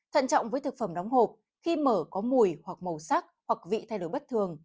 thận trọng với thực phẩm đóng hộp khi mở có mùi hoặc màu sắc hoặc vị thay đổi bất thường